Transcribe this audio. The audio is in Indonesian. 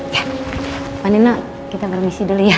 ya pani nek kita permisi dulu ya